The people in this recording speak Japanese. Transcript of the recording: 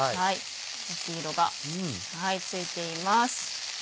焼き色がついています。